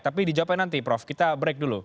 tapi dijawabkan nanti prof kita break dulu